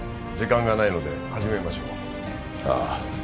時間がないので始めましょうああ